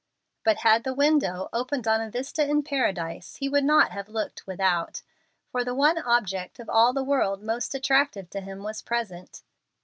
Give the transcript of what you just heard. But had the window opened on a vista in Paradise he would not have looked without, for the one object of all the world most attractive to him was present.